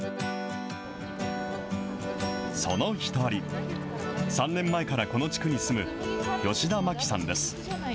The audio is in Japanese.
その１人、３年前からこの地区に住む吉田真季さんです。